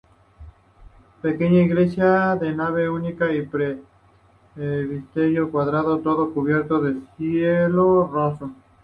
Pequeña iglesia de nave única y presbiterio cuadrado, todo cubierto de cielo raso.